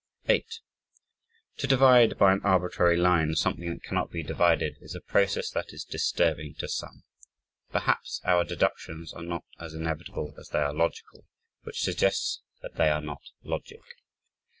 8 To divide by an arbitrary line something that cannot be divided is a process that is disturbing to some. Perhaps our deductions are not as inevitable as they are logical, which suggests that they are not "logic."